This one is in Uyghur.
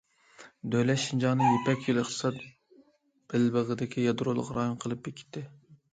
دۆلەت شىنجاڭنى يىپەك يولى ئىقتىساد بەلبېغىدىكى يادرولۇق رايون قىلىپ بېكىتتى.